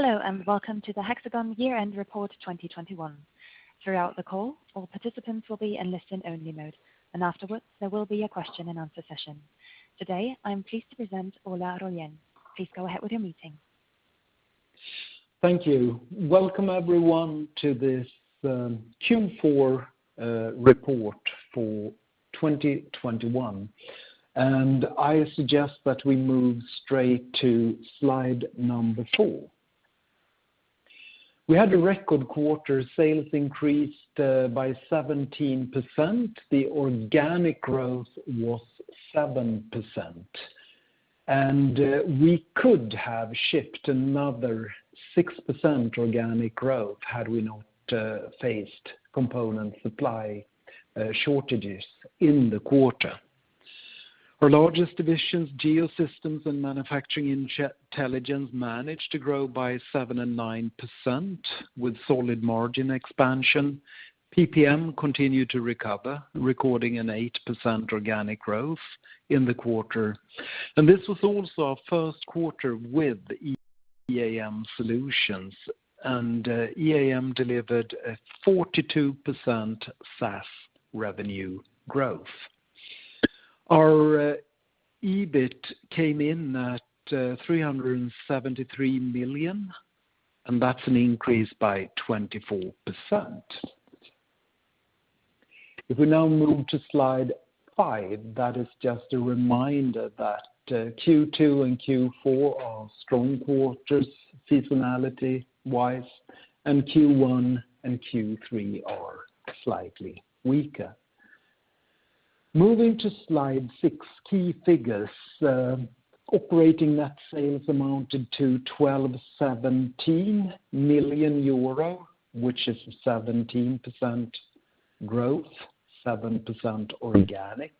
Hello, and welcome to the Hexagon Year-End Report 2021. Throughout the call, all participants will be in listen-only mode, and afterwards, there will be a question and answer session. Today, I am pleased to present Ola Rollén. Please go ahead with your meeting. Thank you. Welcome everyone to this Q4 2021 report, and I suggest that we move straight to slide number 4. We had a record quarter sales increased by 17%. The organic growth was 7%, and we could have shipped another 6% organic growth had we not faced component supply shortages in the quarter. Our largest divisions, Geosystems and Manufacturing Intelligence, managed to grow by 7% and 9% with solid margin expansion. PPM continued to recover, recording an 8% organic growth in the quarter. This was also our first quarter with EAM solutions, and EAM delivered a 42% SaaS revenue growth. Our EBIT came in at 373 million, and that's an increase by 24%. If we now move to slide five, that is just a reminder that Q2 and Q4 are strong quarters seasonality-wise, and Q1 and Q3 are slightly weaker. Moving to slide six, key figures. Operating net sales amounted to 1,217 million euro, which is 17% growth, 7% organic.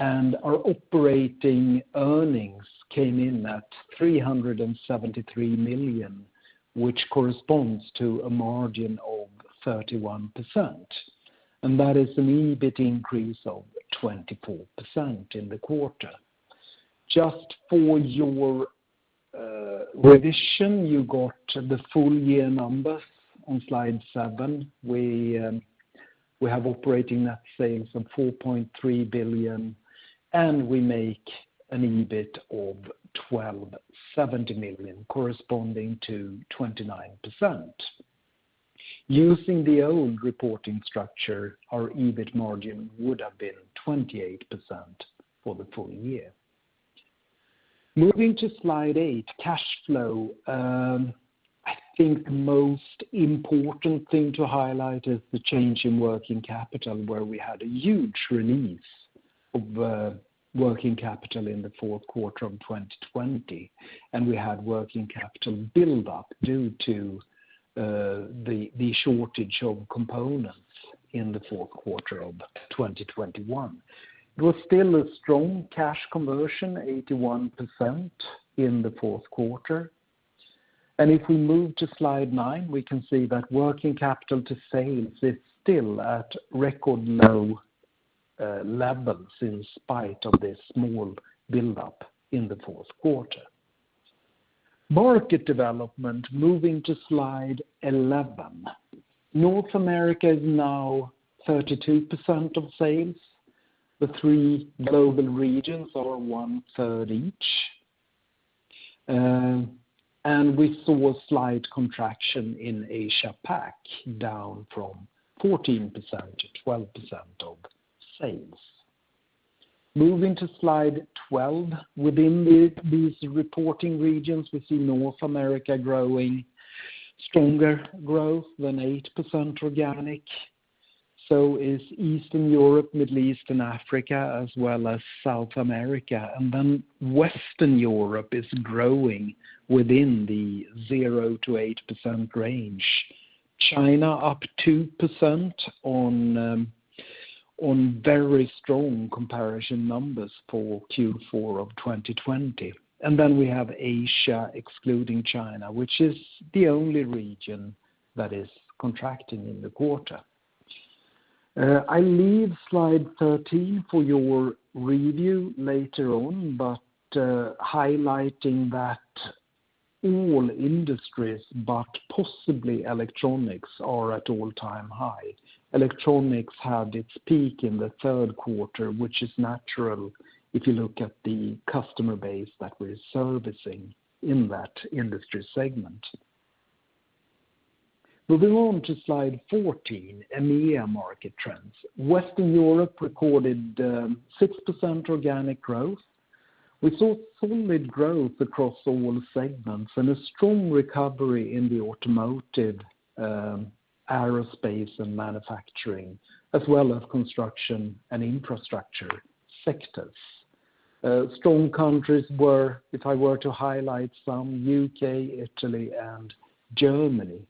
Our operating earnings came in at 373 million, which corresponds to a margin of 31%. That is an EBIT increase of 24% in the quarter. Just for your revision, you got the full year numbers on slide seven. We have operating net sales of 4.3 billion, and we make an EBIT of 1,270 million corresponding to 29%. Using the old reporting structure, our EBIT margin would have been 28% for the full year. Moving to slide eight, cash flow. I think most important thing to highlight is the change in working capital, where we had a huge release of working capital in the fourth quarter of 2020, and we had working capital build-up due to the shortage of components in the fourth quarter of 2021. It was still a strong cash conversion, 81% in the fourth quarter. If we move to slide 9, we can see that working capital to sales is still at record low levels in spite of this small build-up in the fourth quarter. Market development, moving to slide 11. North America is now 32% of sales. The three global regions are 1/3 each. We saw a slight contraction in Asia PAC, down from 14%-12% of sales. Moving to slide 12. Within these reporting regions, we see North America growing, stronger growth than 8% organic. Eastern Europe, Middle East and Africa, as well as South America. Western Europe is growing within the 0%-8% range. China up 2% on very strong comparison numbers for Q4 of 2020. We have Asia, excluding China, which is the only region that is contracting in the quarter. I leave slide 13 for your review later on, but highlighting that all industries, but possibly electronics, are at all-time high. Electronics had its peak in the third quarter, which is natural if you look at the customer base that we're servicing in that industry segment. Moving on to slide 14, EMEA market trends. Western Europe recorded 6% organic growth. We saw solid growth across all segments and a strong recovery in the automotive, aerospace and manufacturing, as well as construction and infrastructure sectors. Strong countries were, if I were to highlight some, U.K., Italy and Germany.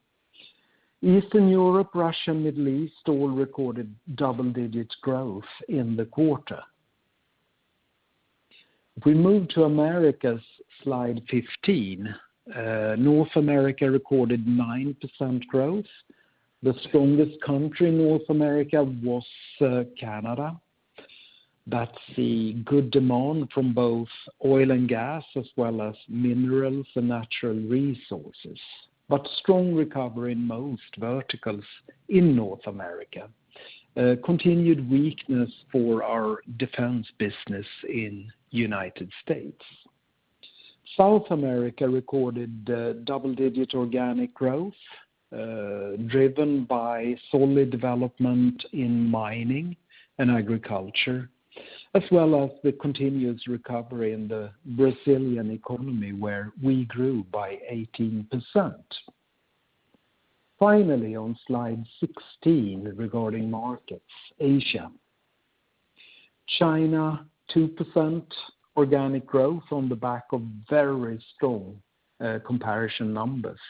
Eastern Europe, Russia, Middle East all recorded double-digit growth in the quarter. If we move to Americas, slide 15. North America recorded 9% growth. The strongest country in North America was Canada. That's good demand from both oil and gas, as well as minerals and natural resources. Strong recovery in most verticals in North America. Continued weakness for our defense business in United States. South America recorded double-digit organic growth, driven by solid development in mining and agriculture, as well as the continuous recovery in the Brazilian economy, where we grew by 18%. Finally, on slide 16 regarding markets, Asia. China 2% organic growth on the back of very strong comparison numbers.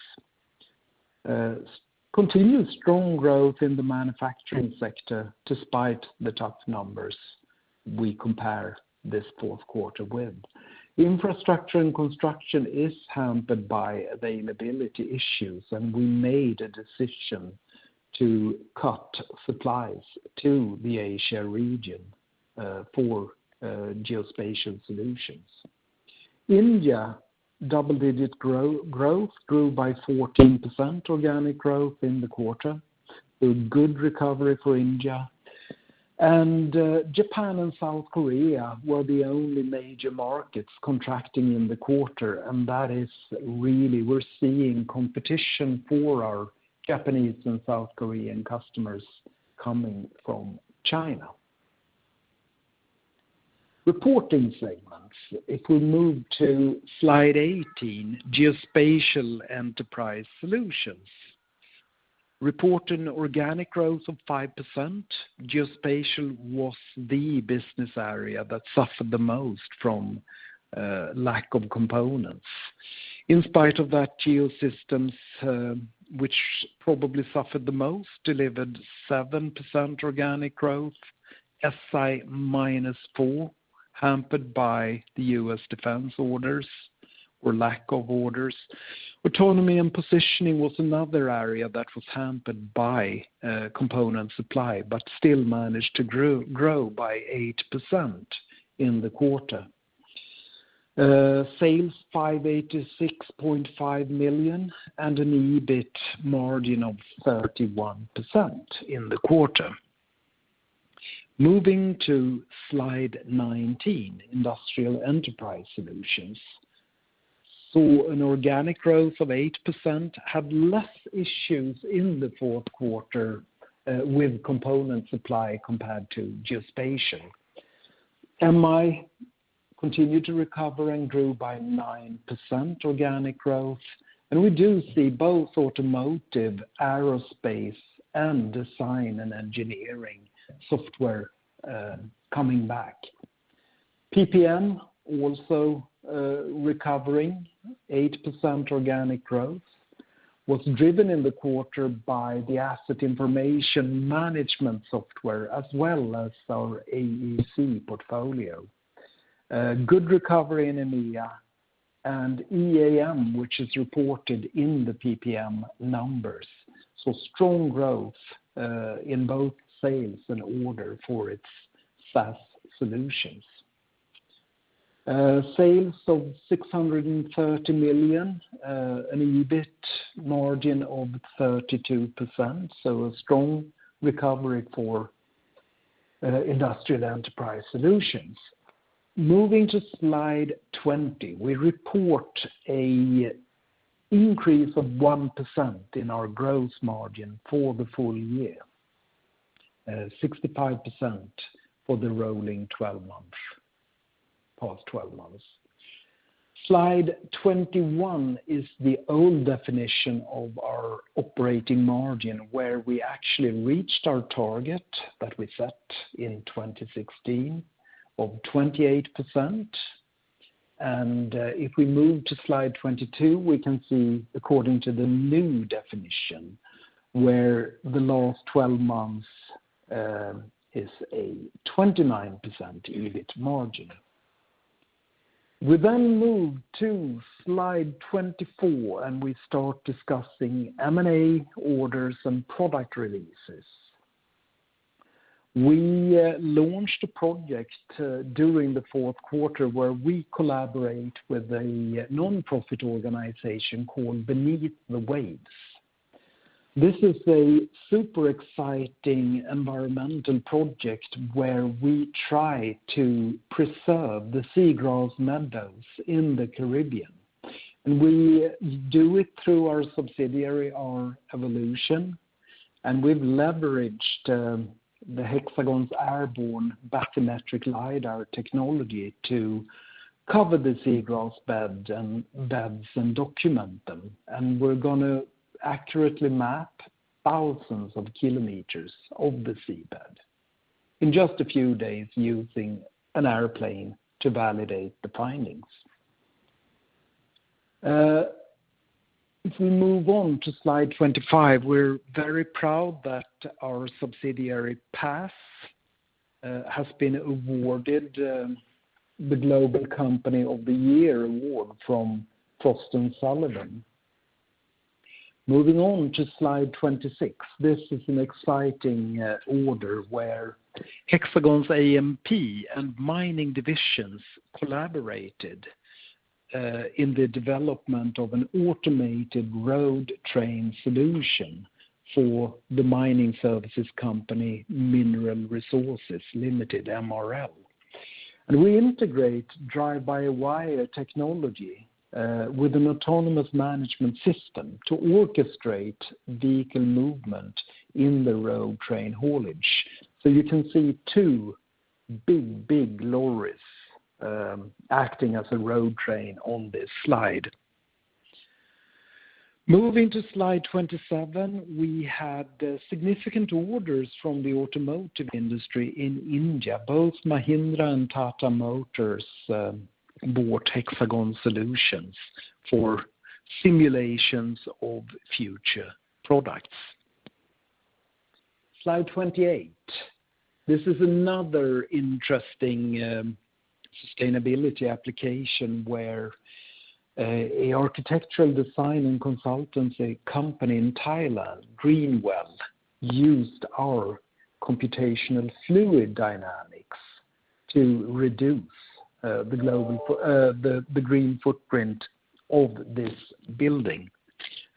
Continued strong growth in the manufacturing sector despite the tough numbers we compare this fourth quarter with. Infrastructure and construction is hampered by availability issues, and we made a decision to cut supplies to the Asia region for Geospatial solutions. India, double-digit growth, grew by 14% organic growth in the quarter. A good recovery for India. Japan and South Korea were the only major markets contracting in the quarter, and that is really where we're seeing competition for our Japanese and South Korean customers coming from China. Reporting segments. If we move to slide 18, Geospatial Enterprise Solutions. Reported organic growth of 5%. Geospatial was the business area that suffered the most from lack of components. In spite of that, Geosystems, which probably suffered the most, delivered 7% organic growth. Safety & Infrastructure -4%, hampered by the U.S. defense orders or lack of orders. Autonomy & Positioning was another area that was hampered by component supply, but still managed to grow by 8% in the quarter. Sales 586.5 million and an EBIT margin of 31% in the quarter. Moving to slide 19, Industrial Enterprise Solutions. Saw an organic growth of 8%, had less issues in the fourth quarter with component supply compared to Geospatial. Manufacturing Intelligence continued to recover and grew by 9% organic growth. We do see both automotive, aerospace, and design and engineering software coming back. PPM also recovering 8% organic growth, was driven in the quarter by the asset information management software as well as our AEC portfolio. Good recovery in EMEA and EAM, which is reported in the PPM numbers. Strong growth in both sales and orders for its SaaS solutions. Sales of 630 million, an EBIT margin of 32%, a strong recovery for Industrial Enterprise Solutions. Moving to slide 20, we report an increase of 1% in our gross margin for the full year, 65% for the rolling twelve-month past twelve months. Slide 21 is the old definition of our operating margin, where we actually reached our target that we set in 2016 of 28%. If we move to slide 22, we can see according to the new definition, where the last 12 months is a 29% EBIT margin. We then move to slide 24, and we start discussing M&A orders and product releases. We launched a project during the fourth quarter where we collaborate with a nonprofit organization called Beneath The Waves. This is a super exciting environmental project where we try to preserve the seagrass meadows in the Caribbean. We do it through our subsidiary, R-evolution, and we've leveraged the Hexagon's airborne bathymetric lidar technology to cover the seagrass beds and document them. We're gonna accurately map thousands of kilometers of the seabed in just a few days using an airplane to validate the findings. If we move on to slide 25, we're very proud that our subsidiary, PAS, has been awarded the Global Company of the Year award from Frost & Sullivan. Moving on to slide 26. This is an exciting order where Hexagon's AMP and mining divisions collaborated in the development of an automated road train solution for the mining services company, Mineral Resources Limited, MRL. We integrate drive-by-wire technology with an autonomous management system to orchestrate vehicle movement in the road train haulage. You can see two big lorries acting as a road train on this slide. Moving to slide 27, we had significant orders from the automotive industry in India. Both Mahindra and Tata Motors bought Hexagon solutions for simulations of future products. Slide 28, this is another interesting sustainability application where an architectural design and consultancy company in Thailand, Greendwell, used our computational fluid dynamics to reduce the green footprint of this building.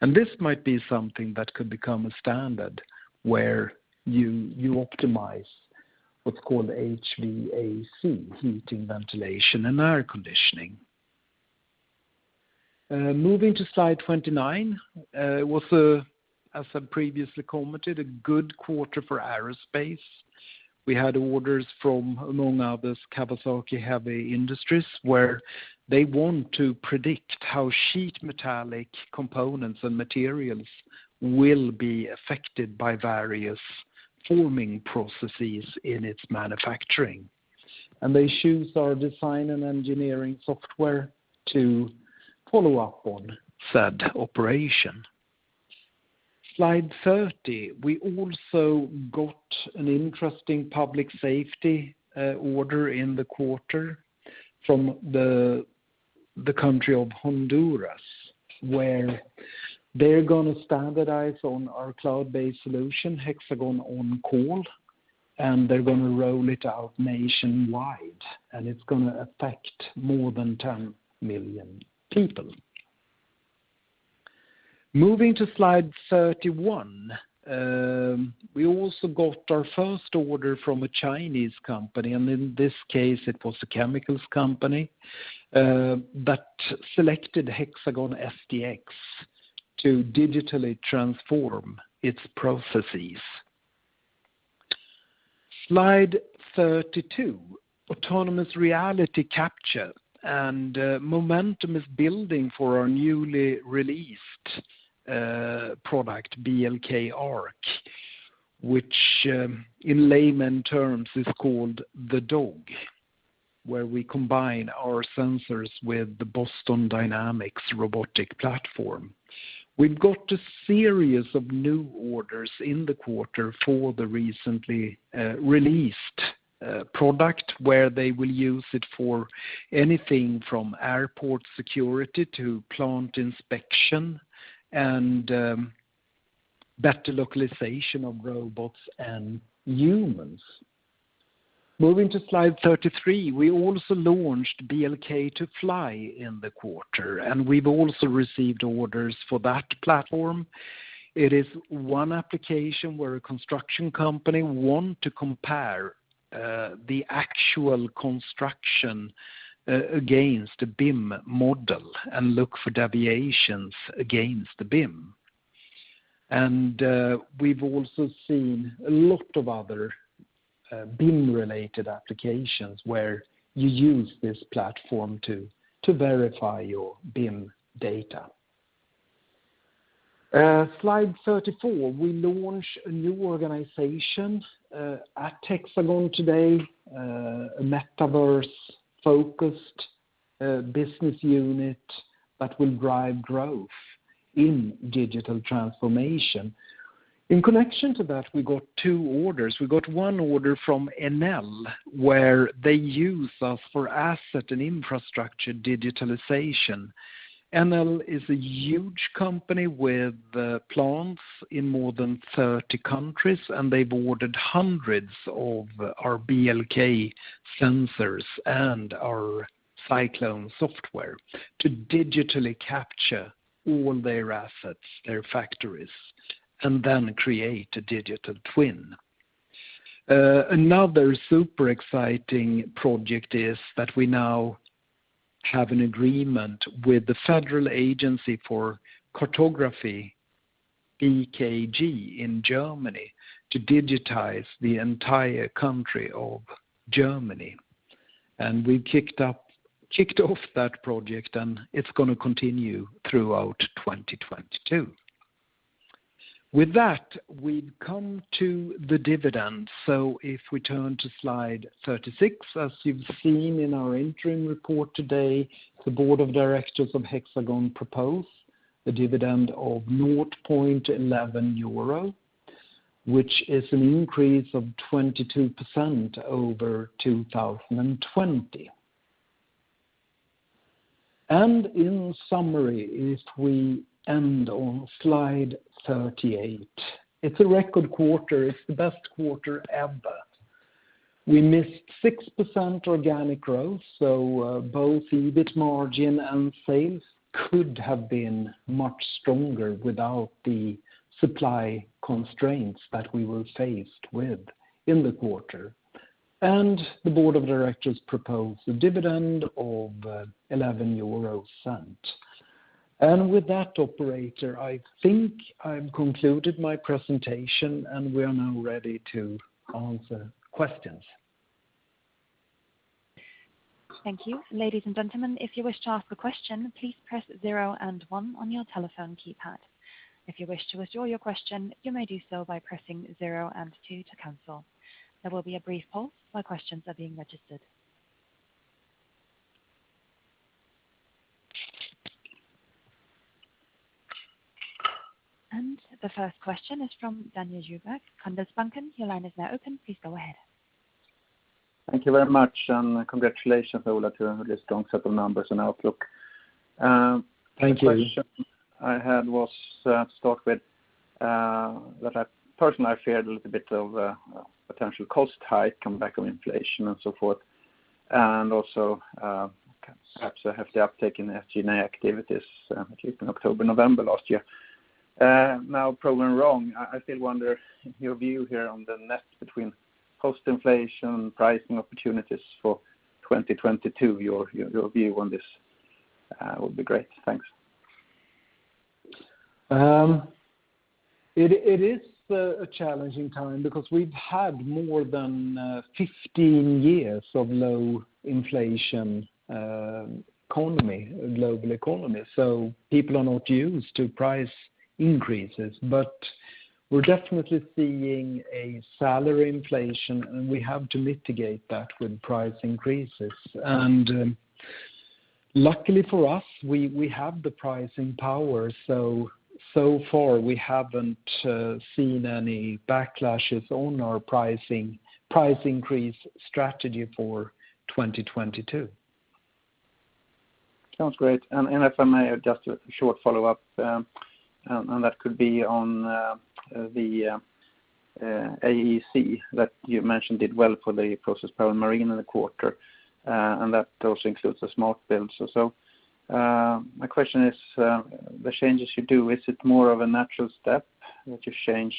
This might be something that could become a standard where you optimize what's called HVAC, heating, ventilation, and air conditioning. Moving to slide 29, as I previously commented, it was a good quarter for aerospace. We had orders from, among others, Kawasaki Heavy Industries, where they want to predict how sheet metal components and materials will be affected by various forming processes in its manufacturing. They choose our design and engineering software to follow up on said operation. Slide 30, we also got an interesting public safety order in the quarter from the country of Honduras, where they're gonna standardize on our cloud-based solution, HxGN OnCall, and they're gonna roll it out nationwide, and it's gonna affect more than 10 million people. Moving to slide 31, we also got our first order from a Chinese company, and in this case, it was a chemicals company that selected HxGN SDx to digitally transform its processes. Slide 32, autonomous reality capture and momentum is building for our newly released product, BLK ARC, which, in layman's terms is called the dog, where we combine our sensors with the Boston Dynamics robotic platform. We've got a series of new orders in the quarter for the recently released product, where they will use it for anything from airport security to plant inspection and better localization of robots and humans. Moving to slide 33, we also launched BLK2FLY in the quarter, and we've also received orders for that platform. It is one application where a construction company want to compare the actual construction against the BIM model and look for deviations against the BIM. We've also seen a lot of other BIM-related applications where you use this platform to verify your BIM data. Slide 34, we launch a new organization at Hexagon today, a metaverse-focused business unit that will drive growth in digital transformation. In connection to that, we got two orders. We got one order from Enel, where they use us for asset and infrastructure digitalization. Enel is a huge company with plants in more than 30 countries, and they've ordered hundreds of our BLK sensors and our Cyclone software to digitally capture all their assets, their factories, and then create a digital twin. Another super exciting project is that we now have an agreement with the Federal Agency for Cartography, BKG, in Germany to digitize the entire country of Germany. We kicked off that project, and it's gonna continue throughout 2022. With that, we've come to the dividend. If we turn to slide 36, as you've seen in our interim report today, the board of directors of Hexagon propose a dividend of 0.11 euro, which is a 22% increase over 2020. In summary, if we end on slide 38, it's a record quarter. It's the best quarter ever. We missed 6% organic growth, so both EBIT margin and sales could have been much stronger without the supply constraints that we were faced with in the quarter. The board of directors proposed a dividend of 0.11 EUR. With that, operator, I think I've concluded my presentation, and we are now ready to answer questions. Thank you. Ladies and gentlemen, if you wish to ask a question, please press 0 and 1 on your telephone keypad. If you wish to withdraw your question, you may do so by pressing 0 and 2 to cancel. There will be a brief pause while questions are being registered. The first question is from Daniel Djurberg, Handelsbanken. Your line is now open. Please go ahead. Thank you very much, and congratulations, Ola, to your strong set of numbers and outlook. Thank you. The question I had was, to start with, that I personally feared a little bit of a potential cost hike, comeback of inflation and so forth, and also, perhaps a hefty uptick in SG&A activities, achieved in October, November last year. Now proven wrong, I still wonder your view here on the net between post-inflation pricing opportunities for 2022, your view on this, would be great. Thanks. It is a challenging time because we've had more than 15 years of low inflation global economy. People are not used to price increases. We're definitely seeing a salary inflation, and we have to mitigate that with price increases. Luckily for us, we have the pricing power. So far we haven't seen any backlashes on our pricing price increase strategy for 2022. Sounds great. If I may, just a short follow-up, and that could be on the AEC that you mentioned did well for the Process, Power & Marine in the quarter, and that those includes the Smart Build also. My question is, the changes you do, is it more of a natural step that you change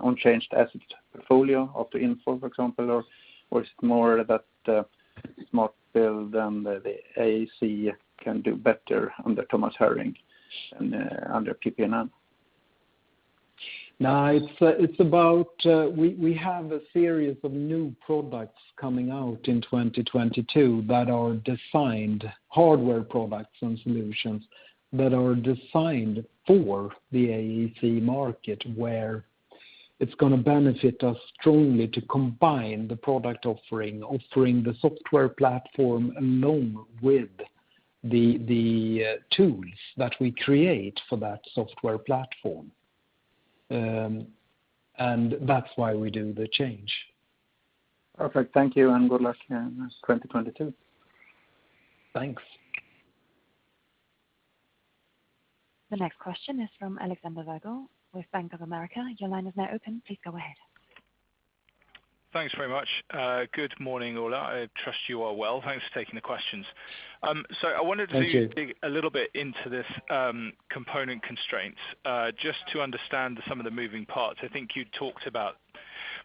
unchanged asset portfolio of Infor, for example, or is it more that Smart Build and the AEC can do better under Thomas Harring and under PPM? No. It's about we have a series of new products coming out in 2022 that are designed, hardware products and solutions, that are designed for the AEC market, where it's gonna benefit us strongly to combine the product offering the software platform along with the tools that we create for that software platform. That's why we do the change. Perfect. Thank you, and good luck in 2022. Thanks. The next question is from Alexander Virgo with Bank of America. Your line is now open. Please go ahead. Thanks very much. Good morning, Ola. I trust you are well. Thanks for taking the questions. I wanted to- Thank you. Dig a little bit into this, component constraints, just to understand some of the moving parts. I think you talked about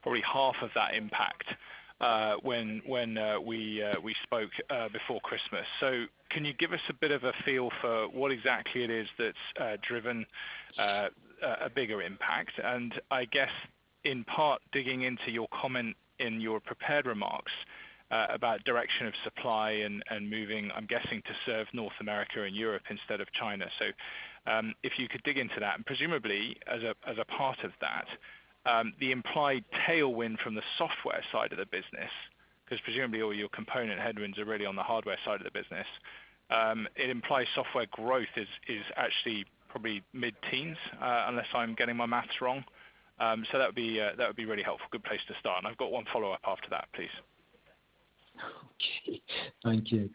probably half of that impact, when we spoke before Christmas. Can you give us a bit of a feel for what exactly it is that's driven a bigger impact? I guess, in part, digging into your comment in your prepared remarks about direction of supply and moving, I'm guessing to serve North America and Europe instead of China. If you could dig into that. Presumably, as a part of that, the implied tailwind from the software side of the business, 'cause presumably all your component headwinds are really on the hardware side of the business, it implies software growth is actually probably mid-teens%, unless I'm getting my math wrong. That would be really helpful. Good place to start. I've got one follow-up after that, please. Okay. Thank you.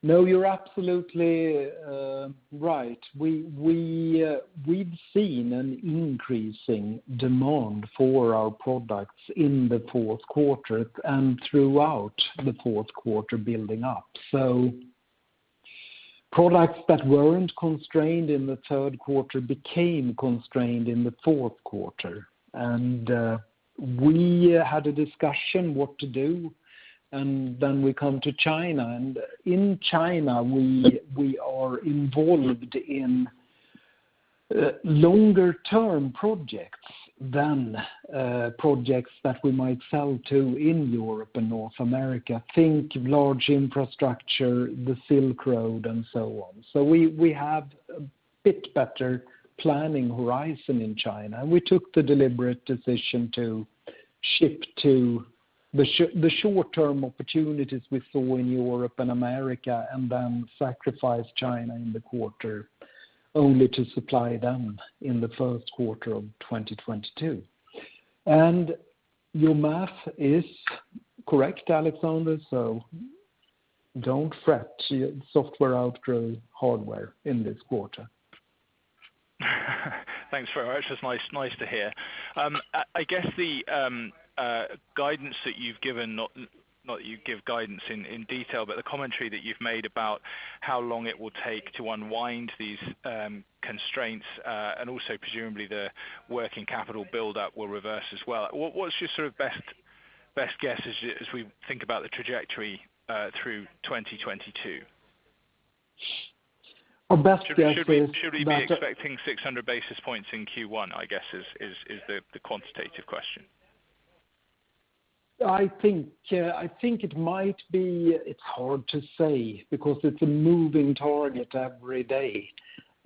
No, you're absolutely right. We've seen an increasing demand for our products in the fourth quarter and throughout the fourth quarter building up. Products that weren't constrained in the third quarter became constrained in the fourth quarter. We had a discussion what to do, and then we come to China. In China, we are involved in longer term projects than projects that we might sell to in Europe and North America. Think large infrastructure, the Silk Road and so on. We have a bit better planning horizon in China, and we took the deliberate decision to ship to the short-term opportunities we saw in Europe and America and then sacrifice China in the quarter only to supply them in the first quarter of 2022. Your math is correct, Alexander, so don't fret. Software outgrew hardware in this quarter. Thanks very much. That's nice to hear. I guess the guidance that you've given, not that you give guidance in detail, but the commentary that you've made about how long it will take to unwind these constraints, and also presumably the working capital buildup will reverse as well. What's your sort of best guess as we think about the trajectory through 2022? Our best guess is that. Should we be expecting 600 basis points in Q1, I guess, is the quantitative question. I think it might be. It's hard to say because it's a moving target every day.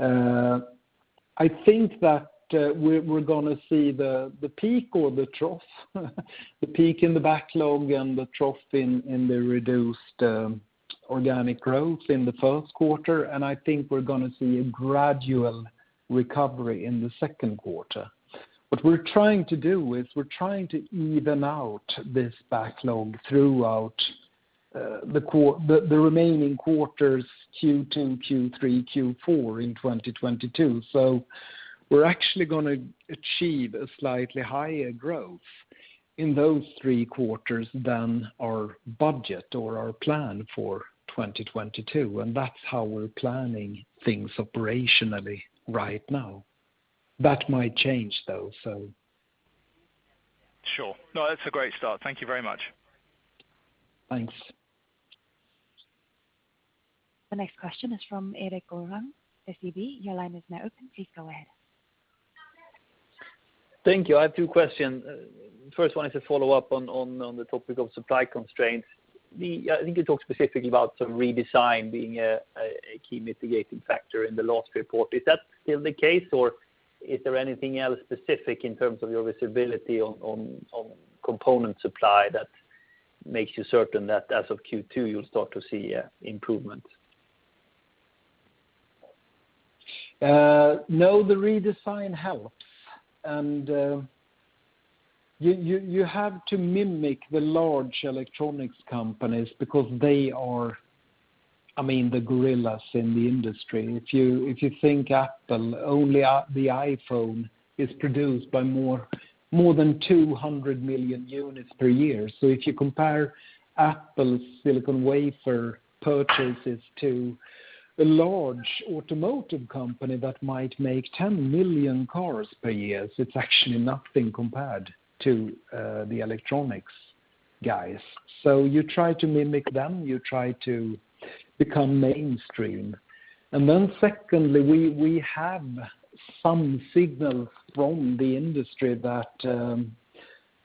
I think that we're gonna see the peak or the trough in the backlog and the trough in the reduced organic growth in the first quarter, and I think we're gonna see a gradual recovery in the second quarter. What we're trying to do is we're trying to even out this backlog throughout the remaining quarters, Q2, Q3, Q4 in 2022. We're actually gonna achieve a slightly higher growth in those three quarters than our budget or our plan for 2022, and that's how we're planning things operationally right now. That might change though. Sure. No, that's a great start. Thank you very much. Thanks. The next question is from Erik Golrang, SEB. Your line is now open. Please go ahead. Thank you. I have two questions. First one is a follow-up on the topic of supply constraints. I think you talked specifically about some redesign being a key mitigating factor in the last report. Is that still the case, or is there anything else specific in terms of your visibility on component supply that makes you certain that as of Q2, you'll start to see improvements? No, the redesign helps. You have to mimic the large electronics companies because they are, I mean, the gorillas in the industry. If you think Apple, only the iPhone is produced by more than 200 million units per year. If you compare Apple's silicon wafer purchases to a large automotive company that might make 10 million cars per year, it's actually nothing compared to the electronics guys. You try to mimic them, you try to become mainstream. Then secondly, we have some signals from the industry that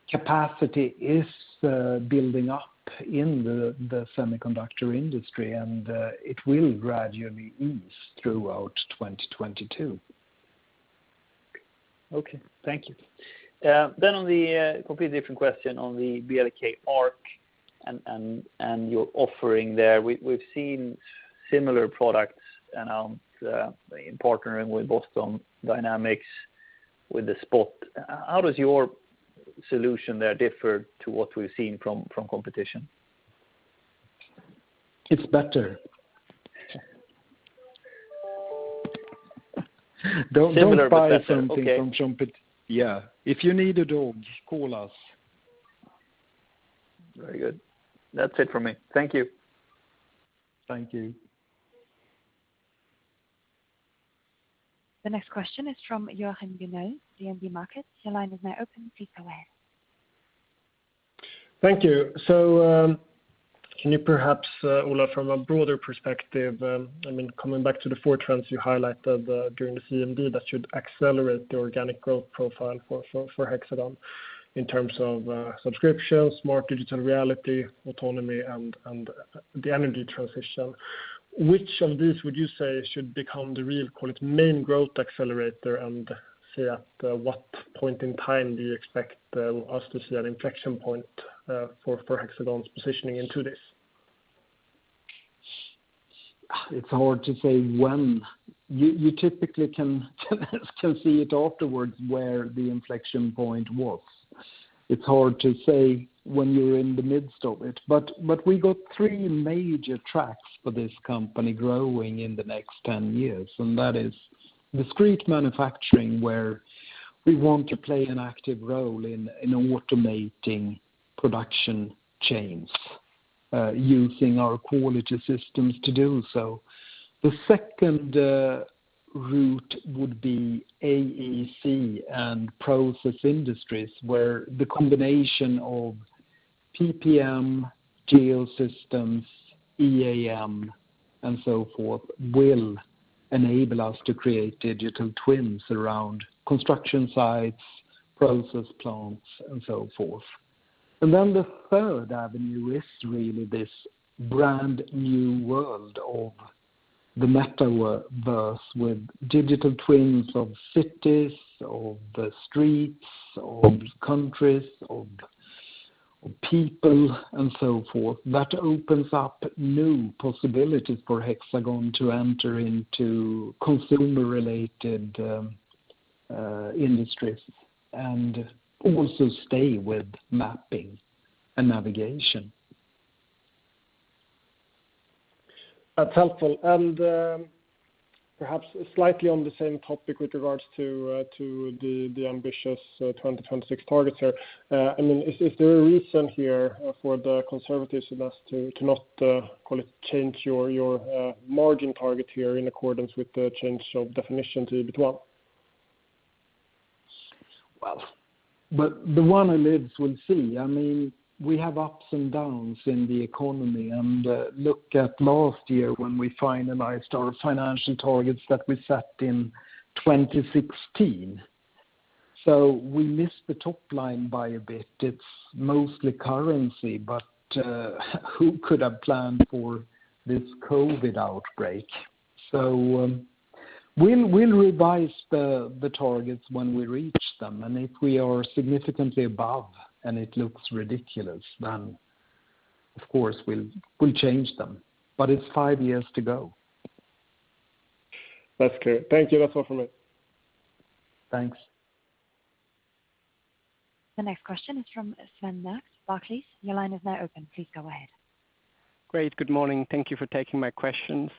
capacity is building up in the semiconductor industry, and it will gradually ease throughout 2022. Okay. Thank you. On the completely different question on the BLK ARC and your offering there. We've seen similar products announced in partnering with Boston Dynamics with the Spot. How does your solution there differ to what we've seen from competition? It's better. Similar but better. Okay. Yeah. If you need a dog, call us. Very good. That's it for me. Thank you. Thank you. The next question is from Johan Eliason, BNP Paribas. Your line is now open. Please go ahead. Thank you. Can you perhaps, Ola, from a broader perspective, I mean, coming back to the four trends you highlighted, during the CMD that should accelerate the organic growth profile for Hexagon in terms of, subscriptions, more digital reality, autonomy, and the energy transition. Which of these would you say should become the real, call it, main growth accelerator? And say at what point in time do you expect us to see an inflection point, for Hexagon's positioning into this? It's hard to say when. You typically can see it afterwards where the inflection point was. It's hard to say when you're in the midst of it. We got three major tracks for this company growing in the next 10 years, and that is discrete manufacturing, where we want to play an active role in automating production chains, using our quality systems to do so. The second route would be AEC and process industries, where the combination of PPM, Geosystems, EAM, and so forth will enable us to create digital twins around construction sites, process plants, and so forth. The third avenue is really this brand-new world of the metaverse with digital twins of cities, of streets, of countries, of people and so forth. That opens up new possibilities for Hexagon to enter into consumer related, industries and also stay with mapping and navigation. That's helpful. Perhaps slightly on the same topic with regards to the ambitious 2026 targets here. I mean, is there a reason here for the conservatives in us to not call it change your margin target here in accordance with the change of definition to EBITA? Well, the one who lives will see. I mean, we have ups and downs in the economy. Look at last year when we finalized our financial targets that we set in 2016. We missed the top line by a bit. It's mostly currency, but who could have planned for this COVID outbreak? We'll revise the targets when we reach them, and if we are significantly above and it looks ridiculous, then of course we'll change them. It's five years to go. That's clear. Thank you. That's all from me. Thanks. The next question is from Sven Merkt, Barclays. Your line is now open. Please go ahead. Great. Good morning. Thank you for taking my questions.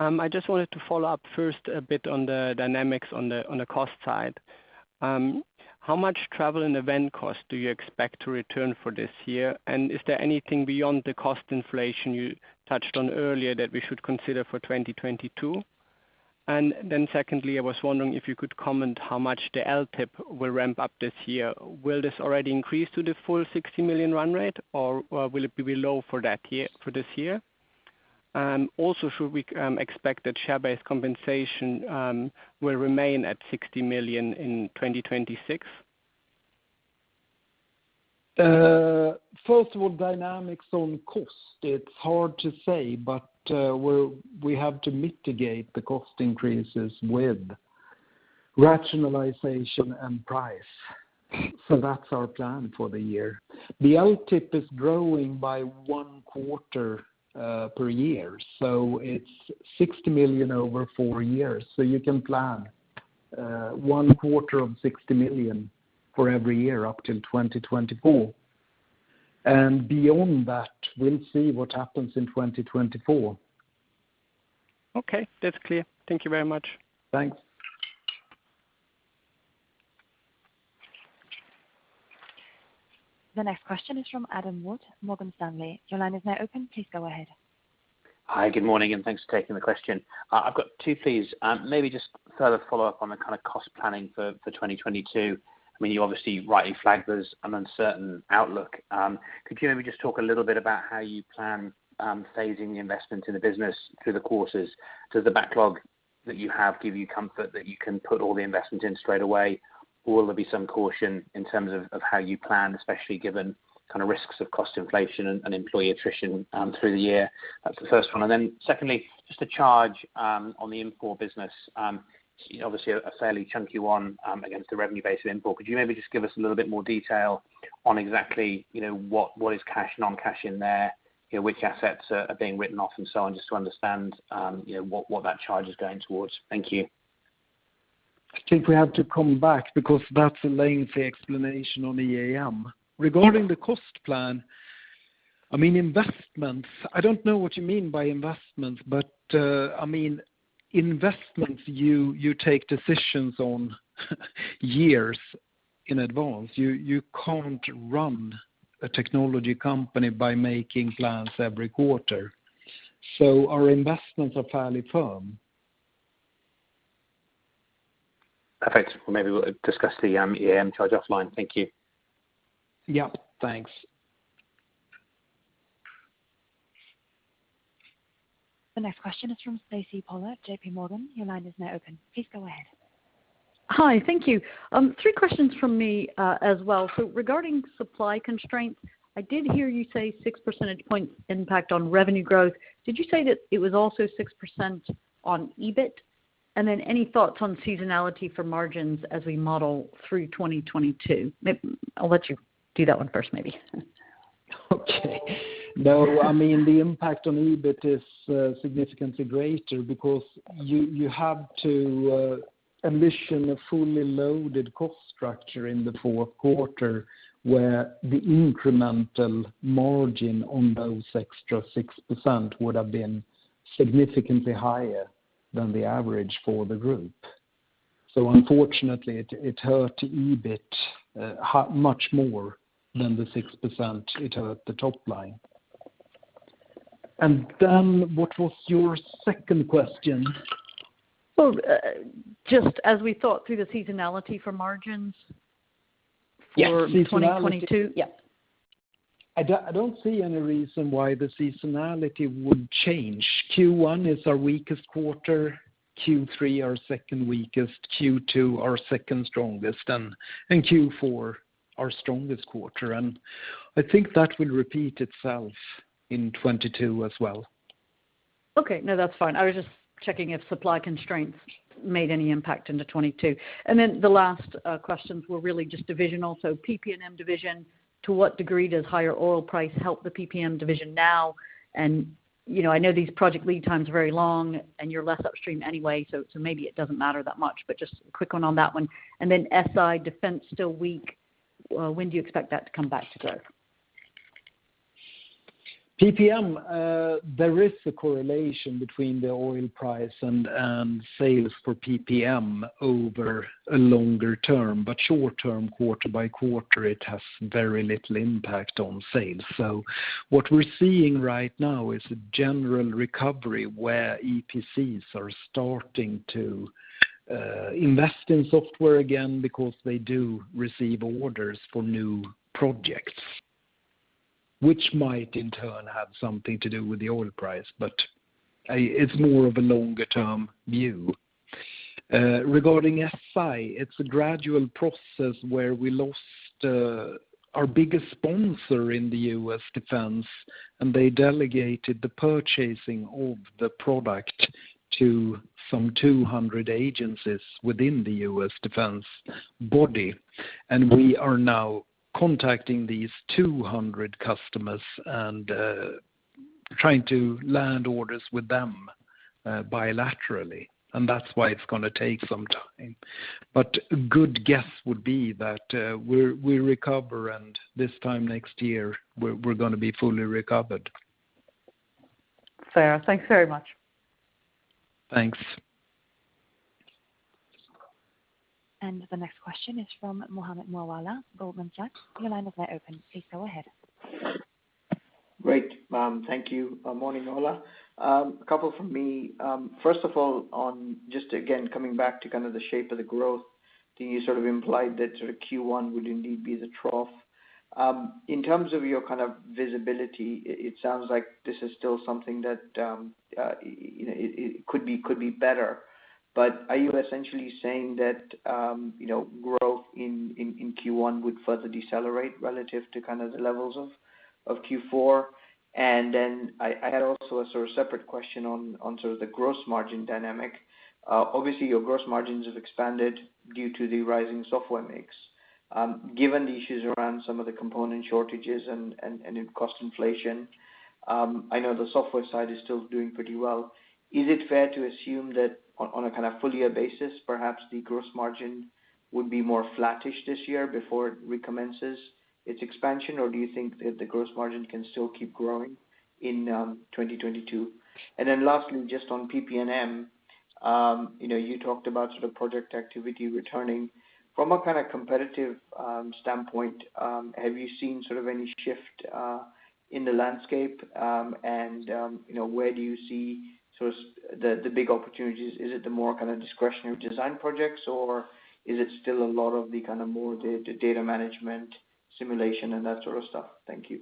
I just wanted to follow up first a bit on the dynamics on the cost side. How much travel and event costs do you expect to return for this year? Is there anything beyond the cost inflation you touched on earlier that we should consider for 2022? Secondly, I was wondering if you could comment how much the LTIP will ramp up this year. Will this already increase to the full 60 million run rate or will it be below for this year? Also should we expect that share-based compensation will remain at 60 million in 2026? First of all, dynamics on cost, it's hard to say, but we have to mitigate the cost increases with rationalization and price. That's our plan for the year. The LTIP is growing by one quarter per year, so it's 60 million over 4 years. You can plan one quarter of 60 million for every year up till 2024. Beyond that, we'll see what happens in 2024. Okay, that's clear. Thank you very much. Thanks. The next question is from Adam Wood, Morgan Stanley. Your line is now open. Please go ahead. Hi, good morning, and thanks for taking the question. I've got two, please. Maybe just further follow-up on the kind of cost planning for 2022. I mean, you obviously rightly flagged there's an uncertain outlook. Could you maybe just talk a little bit about how you plan phasing the investment in the business through the quarters? Does the backlog that you have give you comfort that you can put all the investment in straight away? Or will there be some caution in terms of how you plan, especially given kind of risks of cost inflation and employee attrition through the year? That's the first one. Secondly, just a charge on the infor business. Obviously a fairly chunky one against the revenue base of import. Could you maybe just give us a little bit more detail on exactly, what is cash, non-cash in there? Which assets are being written off and so on, just to understand, you know, what that charge is going towards. Thank you. I think we have to come back because that's a lengthy explanation on the AM. Regarding the cost plan, I mean, investments, I don't know what you mean by investments, but I mean, investments, you take decisions on years in advance. You can't run a technology company by making plans every quarter. Our investments are fairly firm. Perfect. Well, maybe we'll discuss the AM charge offline. Thank you. Yep. Thanks. The next question is from Stacy Pollard, J.P. Morgan. Your line is now open. Please go ahead. Hi. Thank you. Three questions from me, as well. Regarding supply constraints, I did hear you say 6 percentage point impact on revenue growth. Did you say that it was also 6% on EBIT? And then any thoughts on seasonality for margins as we model through 2022? Maybe I'll let you do that one first, maybe. Okay. No, I mean, the impact on EBIT is significantly greater because you have to assume a fully loaded cost structure in the fourth quarter, where the incremental margin on those extra 6% would have been significantly higher than the average for the group. Unfortunately, it hurt EBIT much more than the 6% it hurt the top line. Then what was your second question? Well, just as we thought through the seasonality for margins. For seasonality. for 2022. Yep. I don't see any reason why the seasonality would change. Q1 is our weakest quarter, Q3 our second weakest, Q2 our second strongest, and Q4 our strongest quarter. I think that will repeat itself in 2022 as well. Okay. No, that's fine. I was just checking if supply constraints made any impact into 2022. The last questions were really just divisional. PPM division, to what degree does higher oil price help the PPM division now? I know these project lead times are very long, and you're less upstream anyway, so maybe it doesn't matter that much, but just a quick one on that one. SI defense still weak. When do you expect that to come back to growth? PPM, there is a correlation between the oil price and sales for PPM over a longer term. Short term, quarter by quarter, it has very little impact on sales. What we're seeing right now is a general recovery where EPCs are starting to invest in software again because they do receive orders for new projects, which might in turn have something to do with the oil price. It's more of a longer term view. Regarding SI, it's a gradual process where we lost our biggest sponsor in the U.S. defense, and they delegated the purchasing of the product to some 200 agencies within the U.S. defense body. We are now contacting these 200 customers and trying to land orders with them bilaterally, and that's why it's gonna take some time. A good guess would be that we recover, and this time next year, we're gonna be fully recovered. Fair. Thanks very much. Thanks. The next question is from Mohammed Moawalla, Goldman Sachs. Your line is now open. Please go ahead. Great. Thank you. Morning, Ola. A couple from me. First of all, on just again, coming back to kind of the shape of the growth, can you sort of imply that sort of Q1 would indeed be the trough? In terms of your kind of visibility, it sounds like this is still something that, it could be better. But are you essentially saying that, you know, growth in Q1 would further decelerate relative to kind of the levels of Q4? Then I had also a sort of separate question on sort of the gross margin dynamic. Obviously, your gross margins have expanded due to the rising software mix. Given the issues around some of the component shortages and in cost inflation, I know the software side is still doing pretty well. Is it fair to assume that on a kind of full year basis, perhaps the gross margin would be more flattish this year before it recommences its expansion? Or do you think that the gross margin can still keep growing in 2022? And then lastly, just on PPM, you talked about sort of project activity returning. From a kind of competitive standpoint, have you seen sort of any shift in the landscape? And you know, where do you see sort of the big opportunities? Is it the more kind of discretionary design projects, or is it still a lot of the kind of more the data management simulation and that sort of stuff? Thank you.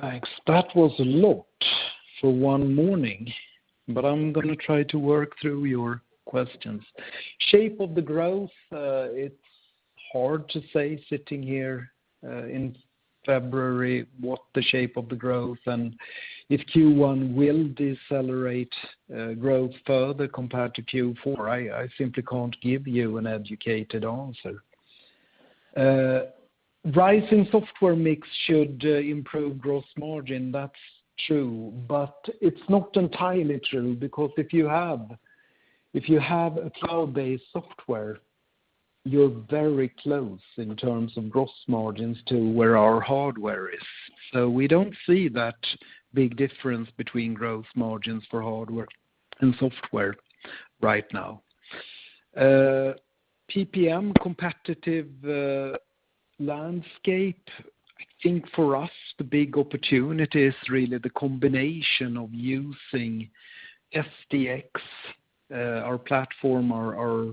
Thanks. That was a lot for one morning, but I'm gonna try to work through your questions. Shape of the growth, it's hard to say sitting here in February what the shape of the growth and if Q1 will decelerate growth further compared to Q4. I simply can't give you an educated answer. Rising software mix should improve gross margin, that's true, but it's not entirely true because if you have a cloud-based software, you're very close in terms of gross margins to where our hardware is. We don't see that big difference between gross margins for hardware and software right now. PPM competitive landscape, I think for us the big opportunity is really the combination of using HxGN SDx, our platform, our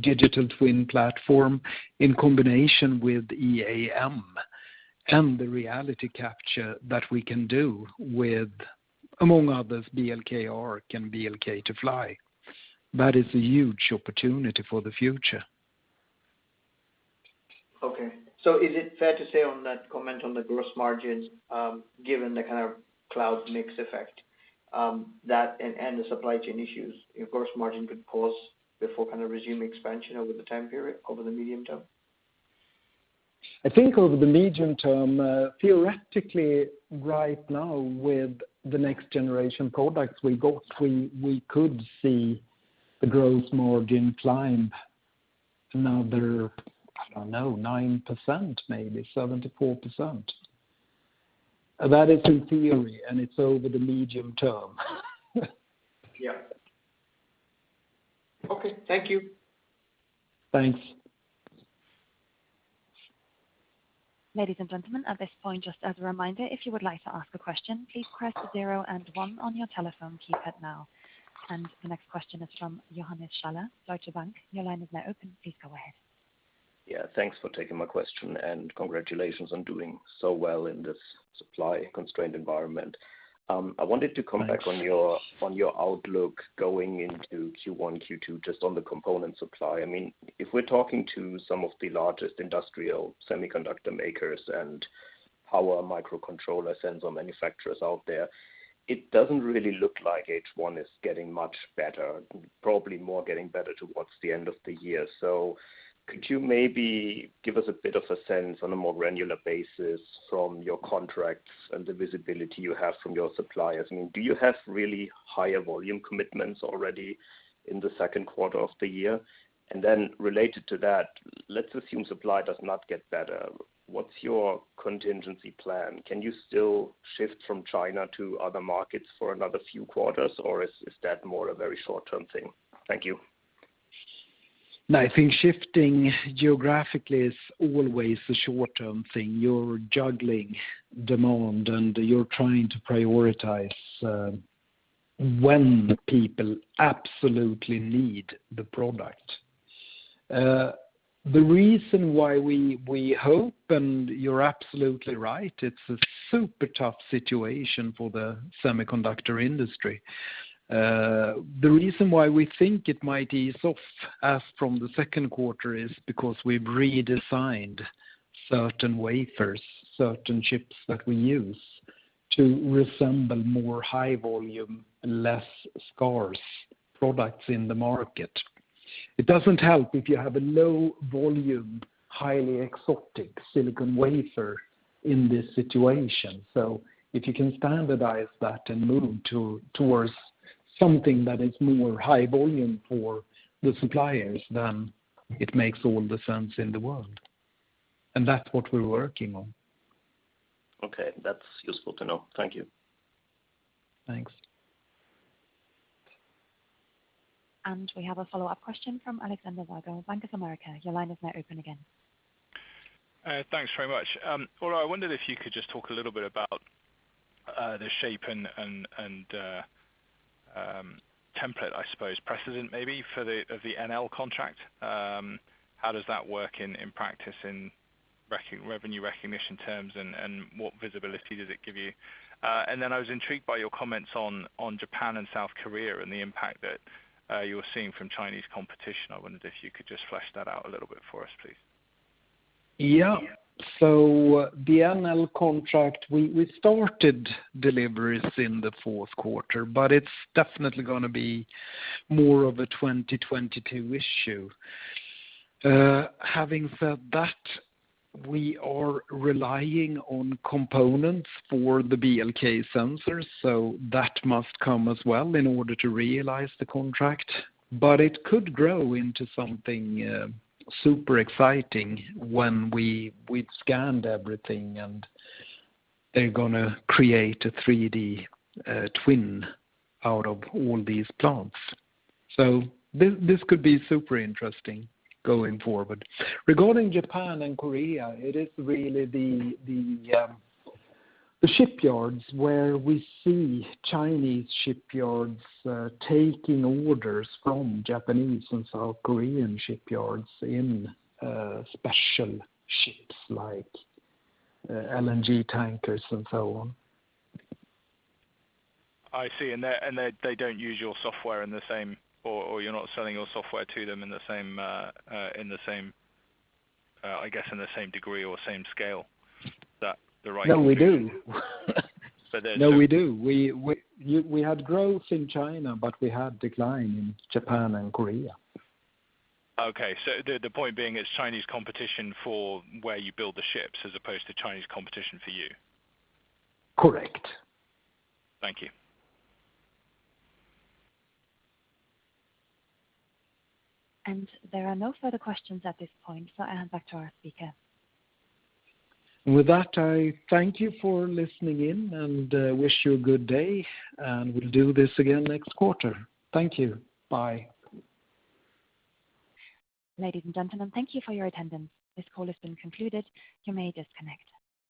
digital twin platform, in combination with EAM and the reality capture that we can do with, among others, BLK ARC and BLK2FLY. That is a huge opportunity for the future. Is it fair to say on that comment on the gross margins, given the kind of cloud mix effect, that and the supply chain issues, your gross margin could pause before kind of resume expansion over the time period, over the medium term? I think over the medium term, theoretically right now with the next generation products we got, we could see the gross margin climb another, I don't know, 9% maybe, 7%-4%. That is in theory, and it's over the medium term. Yeah. Okay. Thank you. Thanks. Ladies and gentlemen, at this point, just as a reminder, if you would like to ask a question, please press zero and one on your telephone keypad now. The next question is from Johannes Schaller, Deutsche Bank. Your line is now open. Please go ahead. Yeah. Thanks for taking my question, and congratulations on doing so well in this supply constrained environment. I wanted to come back. Thanks. On your outlook going into Q1, Q2, just on the component supply. I mean, if we're talking to some of the largest industrial semiconductor makers and power microcontroller sensor manufacturers out there, it doesn't really look like H1 is getting much better, probably more getting better towards the end of the year. Could you maybe give us a bit of a sense on a more granular basis from your contracts and the visibility you have from your suppliers? I mean, do you have really higher volume commitments already in the second quarter of the year? Related to that, let's assume supply does not get better. What's your contingency plan? Can you still shift from China to other markets for another few quarters, or is that more a very short-term thing? Thank you. No, I think shifting geographically is always a short-term thing. You're juggling demand, and you're trying to prioritize, when people absolutely need the product. The reason why we hope, and you're absolutely right, it's a super tough situation for the semiconductor industry. The reason why we think it might ease off as from the second quarter is because we've redesigned certain wafers, certain chips that we use to resemble more high volume and less scarce products in the market. It doesn't help if you have a low volume, highly exotic silicon wafer in this situation. If you can standardize that and move towards something that is more high volume for the suppliers, then it makes all the sense in the world, and that's what we're working on. Okay. That's useful to know. Thank you. Thanks. We have a follow-up question from Alexander Virgo, Bank of America. Your line is now open again. Thanks very much. All right, I wondered if you could just talk a little bit about the shape and template, I suppose, precedent maybe for the NL contract. How does that work in practice in revenue recognition terms and what visibility does it give you? I was intrigued by your comments on Japan and South Korea and the impact that you're seeing from Chinese competition. I wondered if you could just flesh that out a little bit for us, please. The NL contract, we started deliveries in the fourth quarter, but it's definitely gonna be more of a 2022 issue. Having said that, we are relying on components for the BLK sensors, so that must come as well in order to realize the contract, but it could grow into something super exciting when we'd scanned everything and they're gonna create a 3D twin out of all these plants. This could be super interesting going forward. Regarding Japan and Korea, it is really the shipyards where we see Chinese shipyards taking orders from Japanese and South Korean shipyards in special ships like LNG tankers and so on. I see. They don't use your software in the same or you're not selling your software to them in the same, I guess, degree or same scale that the right- No, we do. So there- No, we do. We had growth in China, but we had decline in Japan and Korea. Okay. The point being it's Chinese competition for where you build the ships as opposed to Chinese competition for you. Correct. Thank you. There are no further questions at this point. I hand back to our speaker. With that, I thank you for listening in and wish you a good day, and we'll do this again next quarter. Thank you. Bye. Ladies and gentlemen, thank you for your attendance. This call has been concluded. You may disconnect.